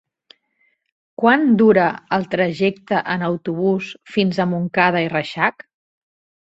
Quant dura el trajecte en autobús fins a Montcada i Reixac?